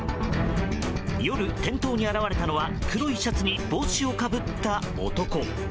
夜、店頭に現れたのは黒いシャツに帽子をかぶった男。